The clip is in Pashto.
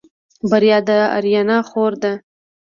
بريا د آريا خور ده.